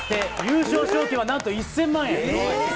そして優勝賞金は、何と１０００万円。